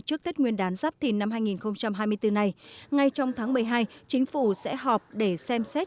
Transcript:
trước tết nguyên đán giáp thìn năm hai nghìn hai mươi bốn này ngay trong tháng một mươi hai chính phủ sẽ họp để xem xét